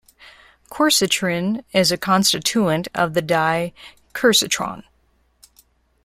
Quercitrin is a constituent of the dye quercitron.